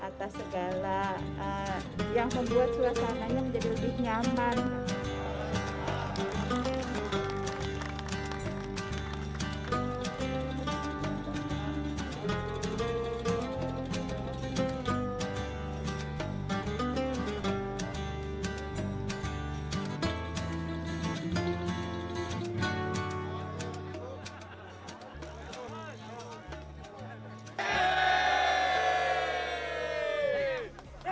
atas segala yang membuat suasananya menjadi lebih nyaman